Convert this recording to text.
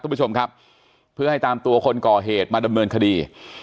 คุณผู้ชมครับเพื่อให้ตามตัวคนก่อเหตุมาดำเนินคดี